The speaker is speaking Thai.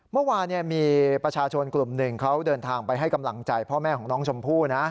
เมื่อวานมีประชาชนกลุ่มหนึ่งเขาเดินทางไปให้กำลังใจพ่อแม่ของน้องชมพู่นะ